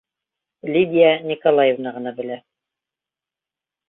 Лидия Николаевна ғына белә.